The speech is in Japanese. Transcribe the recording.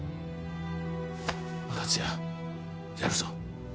達也やるぞ。